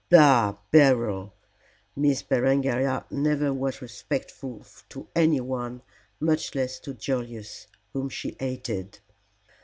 "Bah! Beryl!" Miss Berengaria never was respectful to anyone, much less to Julius, whom she hated.